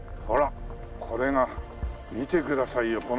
ほらこれが見てくださいよ